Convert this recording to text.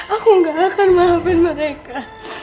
aku gak akan mahapin mereka